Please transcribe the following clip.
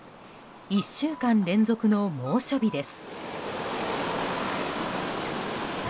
１週間連続の猛暑日です。